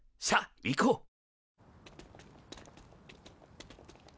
さあ行こう。